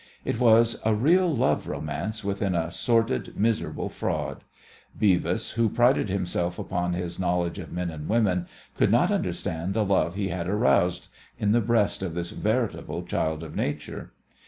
It was a real love romance within a sordid, miserable fraud. Beavis, who prided himself upon his knowledge of men and women, could not understand the love he had aroused in the breast of this veritable child of nature.